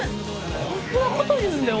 こんなこと言うんだよ